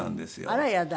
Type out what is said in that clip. あらやだ。